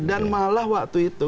dan malah waktu itu